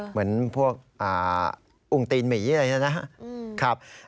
เหมือนพวกอุ้งตีนหมีอะไรอย่างนี้นะครับ